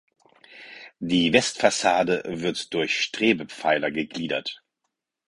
Die Westfassade wird durch Strebepfeiler gegliedert.